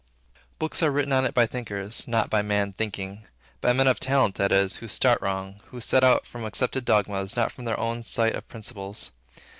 Books are written on it by thinkers, not by Man Thinking; by men of talent, that is, who start wrong, who set out from accepted dogmas, not from their own sight of principles.